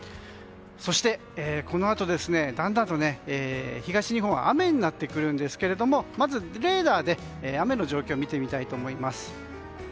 そして、このあとだんだんと東日本は雨になってくるんですけれどもまず、レーダーで雨の状況を見ていきます。